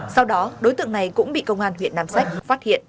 sau đó đối tượng này cũng bị công an huyện nam sách phát hiện